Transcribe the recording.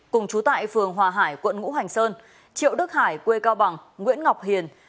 cùng chú tại phường hòa hải quận ngũ hành sơn triệu đức hải quê cao bằng nguyễn ngọc hiền